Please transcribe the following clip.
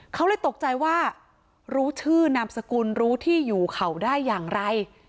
เขาเลยตกใจว่ารู้ชื่อนามสกุลรู้ที่อยู่เขาได้อย่างไร